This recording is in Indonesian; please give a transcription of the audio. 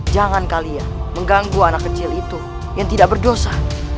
jangan kalian mengganggu anak kecil itu yang tidak berdosa